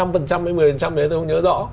thì tôi không nhớ rõ